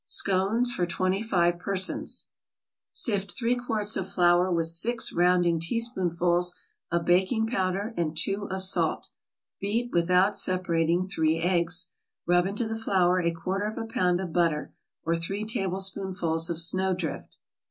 SCONES FOR TWENTY FIVE PERSONS Sift three quarts of flour with six rounding teaspoonfuls of baking powder and two of salt. Beat, without separating, three eggs. Rub into the flour a quarter of a pound of butter, or three tablespoonfuls of snowdrift.